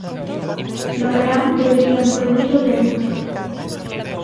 No verán deberían prohibi-lo vento.